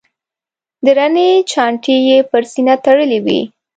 درنې چانټې یې پر سینه تړلې وې.